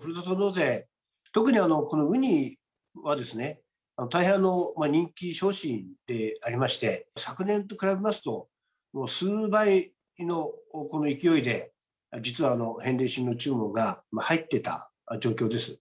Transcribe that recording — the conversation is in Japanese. ふるさと納税、特にこのウニは、大変人気商品でありまして、昨年と比べますと、もう数倍のこの勢いで、実は返礼品の注文が入ってた状況です。